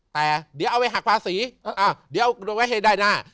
แต่เดี๋ยวเอาไปหักภาษีเดี๋ยวเอาไว้ให้ได้หน้า